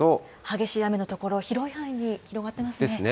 激しい雨の所、広い範囲に広がってますね。